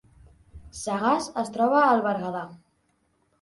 Sagàs es troba al Berguedà